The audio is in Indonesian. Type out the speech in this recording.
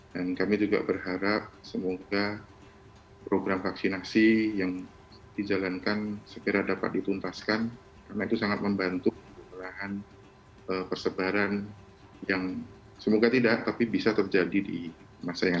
dan kami juga berharap semoga program vaksinasi yang dijalankan segera dapat dituntaskan karena itu sangat membantu perlahan persebaran yang semoga tidak tapi bisa terjadi di mana mana